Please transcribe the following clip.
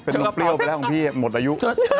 น้มไปแล้วของพี่หมดอายุ